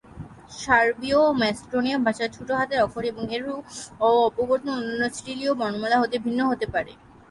সার্বীয় ও ম্যাসেডনিয় ভাষার ছোট হাতের অক্ষর এবং এর ও অপবর্তন অন্যান্য সিরিলীয় বর্ণমালা হতে ভিন্ন হতে পারে।